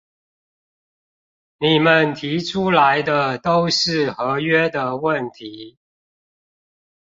你們提出來的都是合約的問題